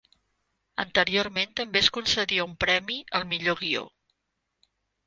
Anteriorment també es concedia un premi al millor guió.